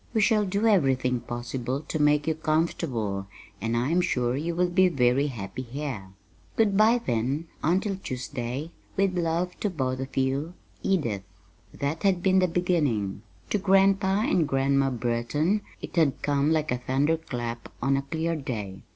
We shall do everything possible to make you comfortable, and I am sure you will be very happy here. Good bye, then, until Tuesday. With love to both of you. EDITH. That had been the beginning. To Grandpa and Grandma Burton it had come like a thunderclap on a clear day.